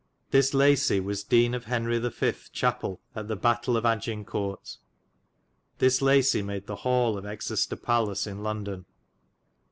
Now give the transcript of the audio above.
This Lacey was dene of Henry the 5. chapell at the battayle of Agincorte. This Lacey made the haule of Excester Place in London.